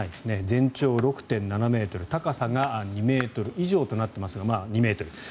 全長６．７ｍ高さが２ｍ以上となっていますがまあ、２ｍ。